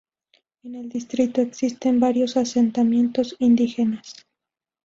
En el distrito existen varios asentamientos indígenas.